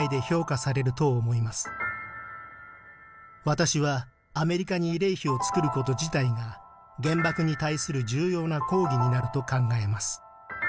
私はアメリカに慰霊碑を作ること自体が原爆に対する重要な抗議になると考えます。